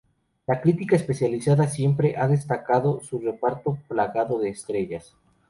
La crítica especializada siempre ha destacado su reparto plagado de estrellas.